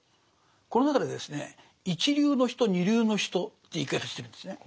この中でですね一流の人二流の人という言い方してるんですね。